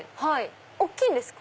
大っきいんですか？